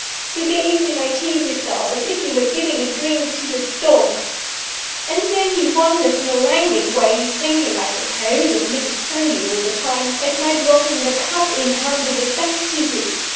You gave me my tea, Eustace, as if you were giving a drink to your dog. And then you wondered in a languid way (thinking, I suppose, of Mrs. Beauly all the time), at my dropping the cup in handing it back to you.